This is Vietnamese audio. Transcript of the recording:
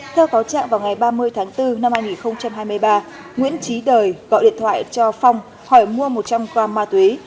theo cáo trạng vào ngày ba mươi tháng bốn năm hai nghìn hai mươi ba nguyễn trí đời gọi điện thoại cho phong hỏi mua một trăm linh gram ma túy